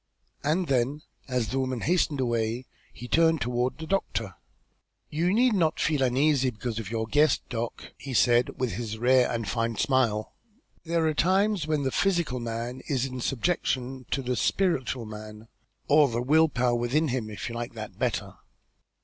And then, as the woman hastened away, he turned toward the doctor. "You need not feel uneasy because of your guest, Doc.," he said, with his rare and fine smile. "There are times when the physical man is in subjection to the spiritual man, or the will power within him, if you like that better.